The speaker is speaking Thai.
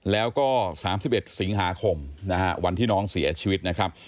แล้วก็๓๑สิงหาคมนะฮะวันที่น้องเสียชีวิตนะครับ